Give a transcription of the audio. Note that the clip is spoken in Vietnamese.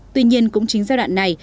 tuy nhiên cũng chính giai đoạn này